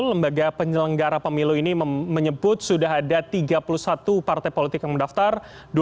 lembaga penyelenggara pemilu ini menyebut sudah ada tiga puluh satu partai politik yang mendaftar